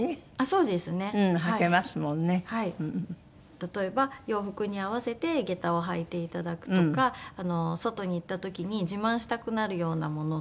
例えば洋服に合わせて下駄を履いていただくとか外に行った時に自慢したくなるようなものっていう事で。